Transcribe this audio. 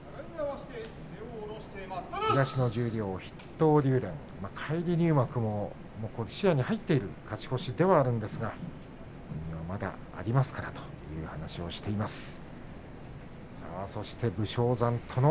東の十両筆頭の竜電返り入幕も視野に入っている勝ち越しではあるんですがまだありますからと本人は話してていました。